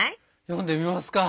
読んでみますか。